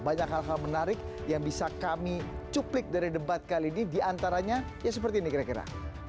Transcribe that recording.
banyak hal hal menarik yang bisa kami cuplik dari debat kali ini diantaranya ya seperti ini kira kira